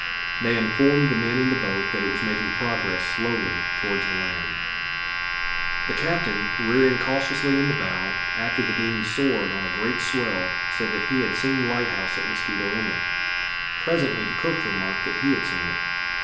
They informed the men in the boat that it was making progress slowly toward the land. The captain, rearing cautiously in the bow, after the dingey soared on a great swell, said that he had seen the light house at Mosquito Inlet. Presently the cook remarked that he had seen it.